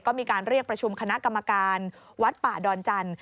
ก็มีการเรียกประชุมคณะกรรมการวัดป่าดอนจันทร์